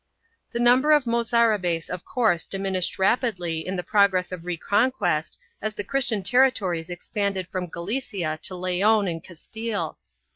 3 The number of the Mozarabes of course diminished rapidly in the progress of reconquest as the Christian territories ex panded from Galicia to Leon and Castile.